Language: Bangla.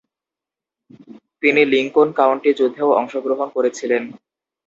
তিনি লিংকন কাউন্টি যুদ্ধেও অংশগ্রহণ করেছিলেন।